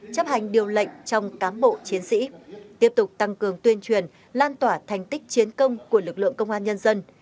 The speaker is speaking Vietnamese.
chấp hành điều lệnh trong cám bộ chiến sĩ tiếp tục tăng cường tuyên truyền lan tỏa thành tích chiến công của lực lượng công an nhân dân